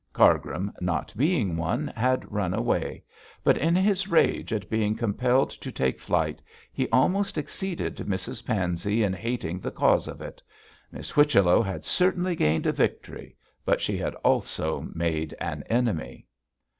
Cargrim, not being one, had run away; but in his rage at being compelled to take flight, he almost exceeded Mrs Pansey in hating the cause of it. Miss Whichello had certainly gained a victory, but she had also made an enemy.